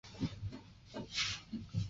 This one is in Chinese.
因此食物链有累积和放大的效应。